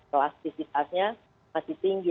klasifitasnya masih tinggi